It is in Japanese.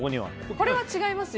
これは違います。